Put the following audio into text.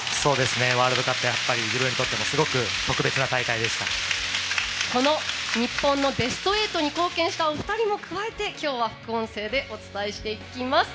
ワールドカップ自分にとってもこの日本のベスト８に貢献したお二人も加えて今日は副音声でお伝えしていきます。